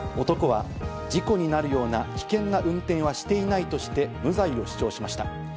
男は事故になるような危険な運転はしていないとして無罪を主張しました。